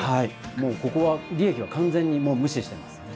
もうここは利益は完全に無視してます。